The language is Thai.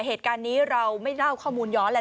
เหตุการณ์นี้เราไม่เล่าข้อมูลย้อนแล้ว